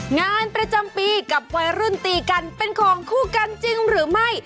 งานประจำปีกับวัยรุ่นตีกันเป็นของคู่กันจริงหรือไม่